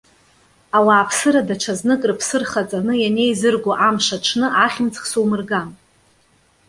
Ауааԥсыра даҽазнык рыԥсы рхаҵаны ианеизырго амш аҽны ахьымӡӷ сумырган.